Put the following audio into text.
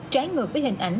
trái ngược với hình ảnh